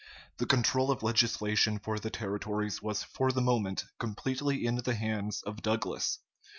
The control of legislation for the territories was for the moment completely in the hands of Douglas.